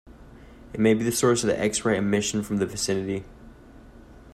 It may be the source of the X-ray emission from the vicinity.